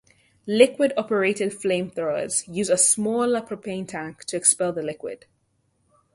Liquid-operated flamethrowers use a smaller propane tank to expel the liquid.